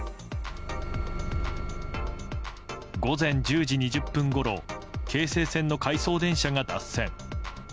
午前１０時２０分ごろ京成線の回送電車が脱線。